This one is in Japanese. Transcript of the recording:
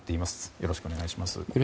よろしくお願いします。